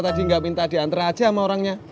tadi gak minta diantar aja sama orangnya